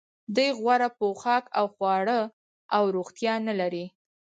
دوی غوره پوښاک او خواړه او روغتیا نلري